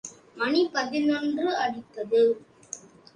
மணி பதினொன்று அடித்தது.